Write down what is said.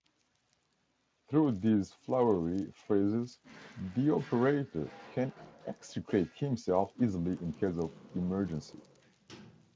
Through these flowery phrases, the operator can extricate himself easily in case of emergency.